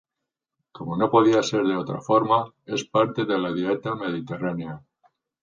Como no podía ser de otra forma, es parte de la dieta mediterránea.